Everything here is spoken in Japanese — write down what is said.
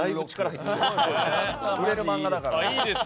売れる漫画だから。